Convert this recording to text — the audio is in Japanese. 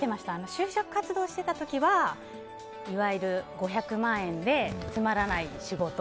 就職活動してた時は、いわゆる５００万でつまらない仕事。